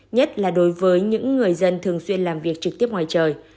nhất là đối với những người dân thường xuyên làm việc trực tiếp ngoài trời